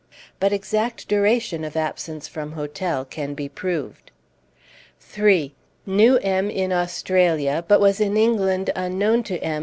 But exact duration of absence from hotel can be proved. 3. Knew M. in Australia, but was in England unknown to M.